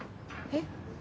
えっ？